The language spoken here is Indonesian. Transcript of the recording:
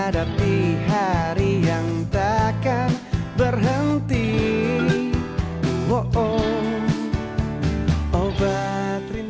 di hari yang takkan berhenti